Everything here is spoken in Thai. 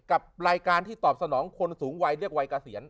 กับรายการที่ตอบสนองคนสูงวัยเรียกวัยเกษียณ